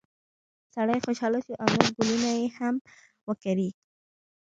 سړی خوشحاله شو او نور ګلونه یې هم وکري.